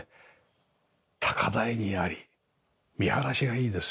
高台にあり見晴らしがいいです。